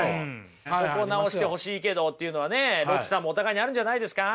ここ直してほしいけどっていうのはねロッチさんもお互いにあるんじゃないですか？